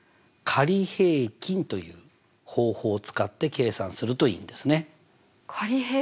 仮平均という方法を使って計算するといいんですね。